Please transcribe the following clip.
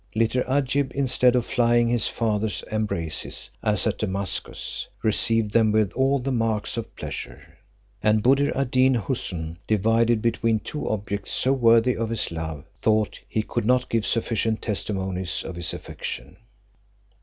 Little Ajib, instead of flying his father's embraces, as at Damascus, received them with all the marks of pleasure. And Buddir ad Deen Houssun, divided between two objects so worthy of his love, thought he could not give sufficient testimonies of his affection.